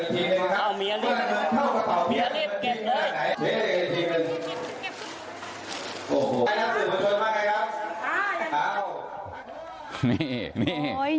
เยอะมากเลยครับ